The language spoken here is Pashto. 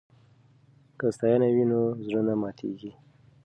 که ستاینه وي نو زړه نه ماتیږي.